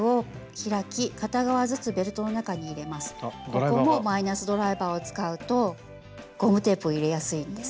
ここもマイナスドライバーを使うとゴムテープを入れやすいんです。